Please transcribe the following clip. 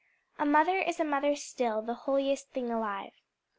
"A mother is a mother still, The holiest thing alive."